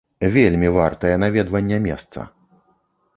Вельмі вартае наведвання месца.